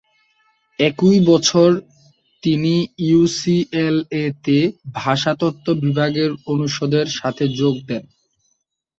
একই বছর, তিনি ইউসিএলএ-তে ভাষাতত্ত্ব বিভাগের অনুষদের সাথে যোগ দেন।